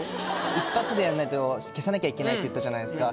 一発でやんないと消さなきゃいけないと言ったじゃないですか。